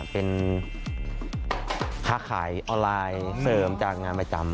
เป็นค้าขายออนไลน์เสริมจากงานประจำ